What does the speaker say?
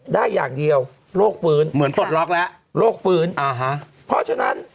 ได้อย่างเดียวโรคฟื้นเหมือนปลดล็อกแล้วโรคฟื้นอ่าฮะเพราะฉะนั้น